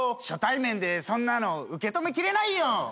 初対面でそんなの受け止めきれないよ。